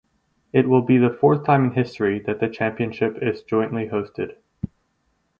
It will be fourth time in history that the championship is jointly hosted.